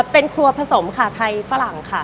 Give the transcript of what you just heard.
เป็นครัวผสมค่ะไทยฝรั่งค่ะ